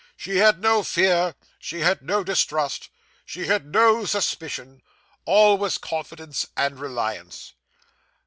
She had no fear, she had no distrust, she had no suspicion; all was confidence and reliance.